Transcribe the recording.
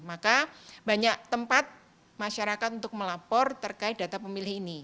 maka banyak tempat masyarakat untuk melapor terkait data pemilih ini